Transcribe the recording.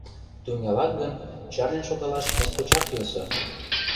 — Тӱҥалат гын, чарнен шогалаш моткочак йӧсӧ.